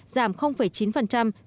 giảm chín so với năm hai nghìn một mươi bảy